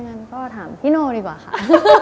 คุณก็ถามพี่โน้ดีกว่าค่ะ